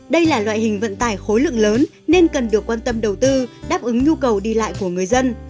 đây là loại hình vận tải khối lượng lớn nên cần được quan tâm đầu tư đáp ứng nhu cầu đi lại của người dân